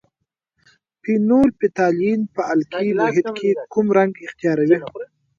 فینول فتالین په القلي محیط کې کوم رنګ اختیاروي؟